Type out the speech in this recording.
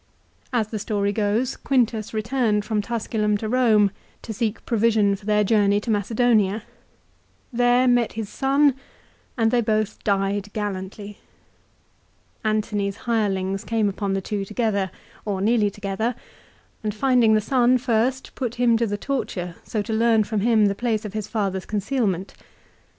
As the story goes Quintus returned from Tusculum to Rome to seek provision for their journey to 294 LIFE OF CICERO. Macedonia ; there met his son, and they both died gallantly. Antony's hirelings came upon the two together, or nearly together, and, finding the son first, put him to the torture, so to learn from him the place of his father's concealment.